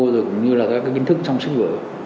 cũng như là các kiến thức trong sức vở